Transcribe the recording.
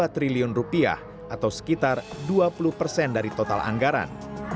empat ratus sembilan belas dua triliun rupiah atau sekitar dua puluh persen dari total anggaran